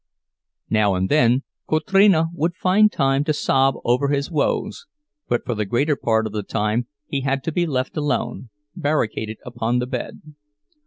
Now and then Kotrina would find time to sob over his woes, but for the greater part of the time he had to be left alone, barricaded upon the bed.